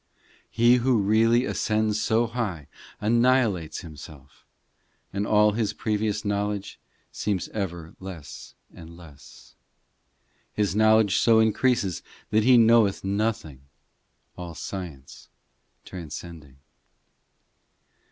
He who really ascends so high Annihilates himself, And all his previous knowledge Seems ever less and less ; His knowledge so increases That he knoweth nothing, All science transcending.